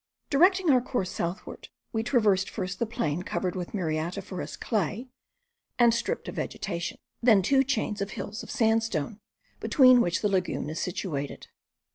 Directing our course southward, we traversed first the plain covered with muriatiferous clay, and stripped of vegetation; then two chains of hills of sandstone, between which the lagoon is situated.